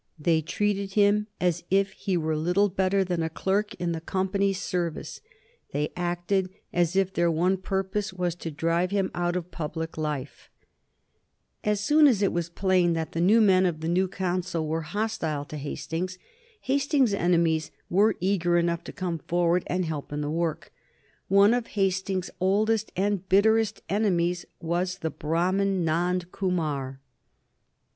They treated him as if he were little better than a clerk in the Company's service; they acted as if their one purpose was to drive him out of public life. [Sidenote: 1775 Charges against Hastings] As soon as it was plain that the new men of the new Council were hostile to Hastings, Hastings's enemies were eager enough to come forward and help in the work. One of Hastings's oldest and bitterest enemies was the Brahmin Nand Kumar.